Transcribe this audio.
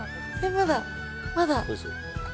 まだまだ。